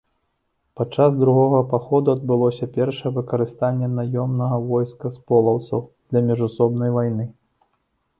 Падчас другога паходу адбылося першае выкарыстанне наёмнага войска з полаўцаў для міжусобнай вайны.